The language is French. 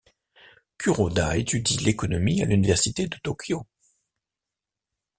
Kuroda étudie l'économie à l'Université de Tokyo.